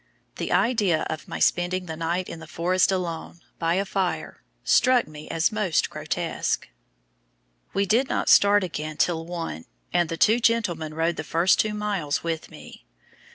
The idea of my spending the night in the forest alone, by a fire, struck me as most grotesque. We did not start again till one, and the two gentlemen rode the first two miles with me.